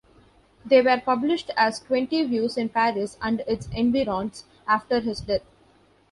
They were published as "Twenty Views in Paris and its Environs" after his death.